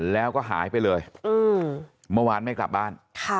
แล้วก็หายไปเลยเมื่อวานไม่กลับบ้าน